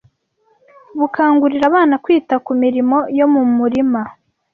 bukangurira abana kwita ku mirimo yo mu murima